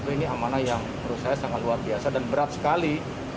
ini amanah yang menurut saya sangat luar biasa dan berat sekali